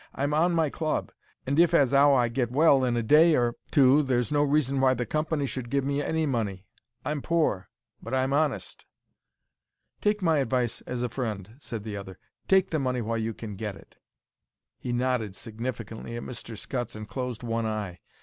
"I'm on my club, and if as 'ow I get well in a day or two, there's no reason why the company should give me any money. I'm pore, but I'm honest." "Take my advice as a friend," said the other; "take the money while you can get it." He nodded significantly at Mr. Scutts and closed one eye.